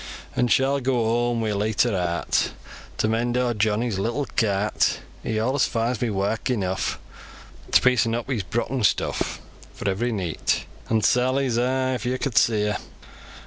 Aw shall goa hooam wi' leeter heart, To mend awr Johnny's little cart: (He allus finds me wark enough To piecen up his brocken stuff, For every neet.) An' Sally a'a! if yo could see her!